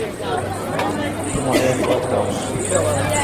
تو مہ دا گوا داون۔